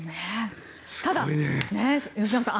ただ、吉永さん